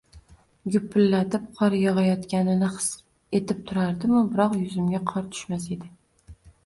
Gupillatib qor yog‘ayotganini his etib turardimu, biroq yuzimga qor tushmas edi.